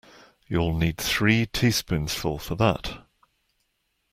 You'll need three teaspoonsful for that.